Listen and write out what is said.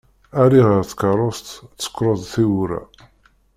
Ali ɣer tkeṛṛust tsekkreḍ-d tiwwura.